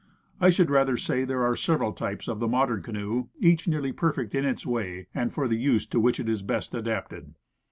I should rather say there are several types of the mod ern canoe, each nearly perfect in its way and for the use to which it is best adapted.